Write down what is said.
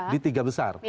di tiga besar